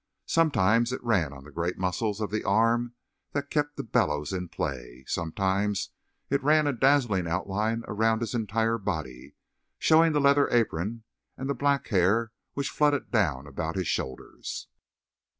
Sometimes it ran on the great muscles of the arm that kept the bellows in play; sometimes it ran a dazzling outline around his entire body, showing the leather apron and the black hair which flooded down about his shoulders.